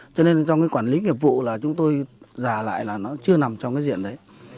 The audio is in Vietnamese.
cho nên trong cái quản lý nghiệp vụ là chúng tôi giả lại là nó chưa nằm trong cái diện đấy